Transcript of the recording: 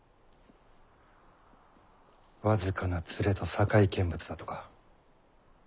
僅かな連れと堺見物だとか。